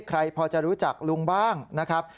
ใครพอจะรู้จักลุงบ้างนะครับ